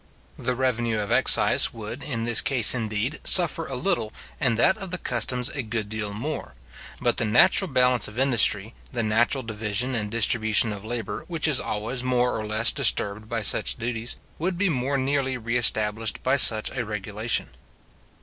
The revenue of excise would, in this case indeed, suffer a little, and that of the customs a good deal more; but the natural balance of industry, the natural division and distribution of labour, which is always more or less disturbed by such duties, would be more nearly re established by such a regulation.